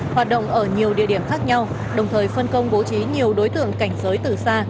hoạt động ở nhiều địa điểm khác nhau đồng thời phân công bố trí nhiều đối tượng cảnh giới từ xa